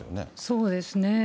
そうですね。